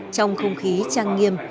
trong không khí trang nghiêm